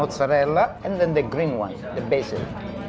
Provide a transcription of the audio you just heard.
mozzarella dan yang putih itu adalah basil